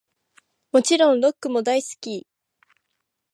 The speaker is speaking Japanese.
もちろんロックも大好き♡